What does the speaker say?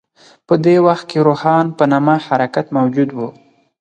په دې وخت کې روښان په نامه حرکت موجود و.